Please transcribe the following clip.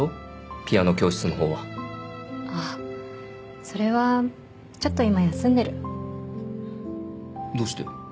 ピアノ教室のほうはあっそれはちょっと今休んでるどうして？